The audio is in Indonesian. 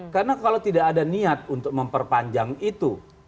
karena kalau tidak ada niat untuk memperpanjang itu